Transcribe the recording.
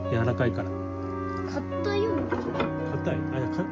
かたい？